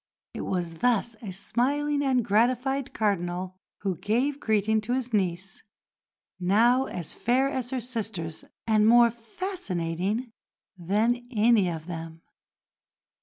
It was thus a smiling and gratified Cardinal who gave greeting to his niece, now as fair as her sisters and more fascinating than any of them.